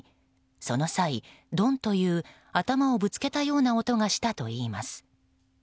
その際、ドンという頭をぶつけたような音がしたといいます。